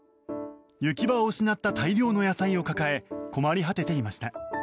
行き場を失った大量の野菜を抱え困り果てていました。